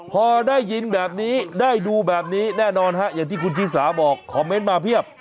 พอได้ยินแบบนี้ได้ดูแบบนี้แน่นอนฮะอย่างที่คุณชิสาบอกคอมเมนต์มาเพียบ